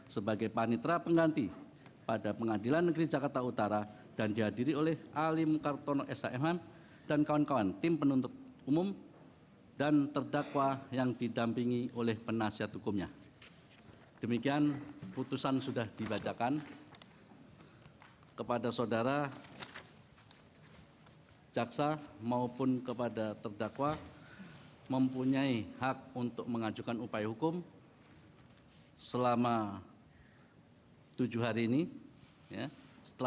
sebagai panitrap dan pemerintah majelis yang berpengalaman dengan perubahan dan perubahan yang diperlukan oleh hakim hakim anggota tersebut